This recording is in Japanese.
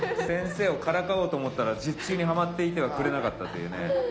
先生をからかおうと思ったら術中にはまっていてはくれなかったというね。